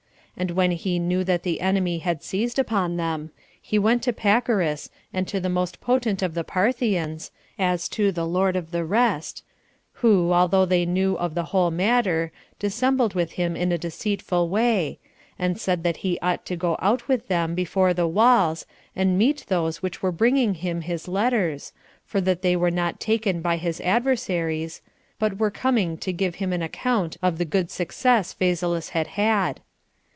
And when he knew that the enemy had seized upon them, he went to Pacorus, and to the most potent of the Parthians, as to the lord of the rest, who, although they knew the whole matter, dissembled with him in a deceitful way; and said that he ought to go out with them before the walls, and meet those which were bringing him his letters, for that they were not taken by his adversaries, but were coming to give him an account of the good success Phasaelus had had.